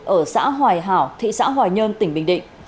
ở xã hoài hảo thị xã hoài nhơn tỉnh bình định